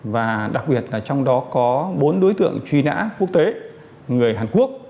và đặc biệt là trong đó có bốn đối tượng truy nã quốc tế người hàn quốc